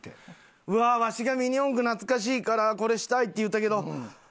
うわあわしがミニ四駆懐かしいからこれしたいって言ったけどああ。